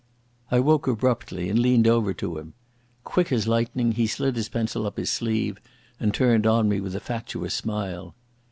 I woke abruptly, and leaned over to him. Quick as lightning he slid his pencil up his sleeve and turned on me with a fatuous smile.